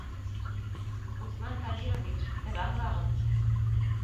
Усман Сабирович, һеҙ аңлағыҙ!